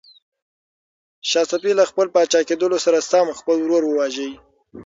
شاه صفي له خپل پاچا کېدلو سره سم خپل ورور وواژه.